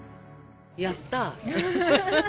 やったー。